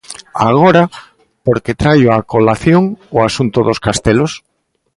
Agora, por que traio a colación o asunto dos castelos?